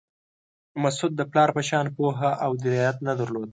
مسعود د پلار په شان پوهه او درایت نه درلود.